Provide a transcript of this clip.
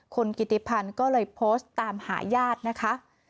คุณกิติพันธ์ก็เลยโพสต์ตามหาญาตินะคะ